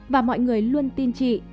và mọi người luôn tin chị